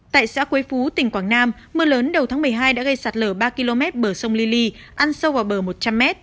tại xã quế phú tỉnh quảng nam mưa lớn đầu tháng một mươi hai đã gây sạt lở ba km bờ sông ly ly ăn sâu vào bờ một trăm linh m